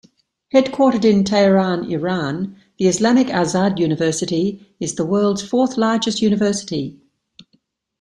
Headquartered in Tehran, Iran, the Islamic Azad University is the world's fourth-largest university.